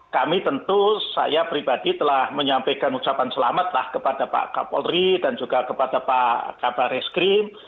kami tentu saya pribadi telah menyampaikan ucapan selamat lah kepada pak kapolri dan juga kepada pak kabar eskrim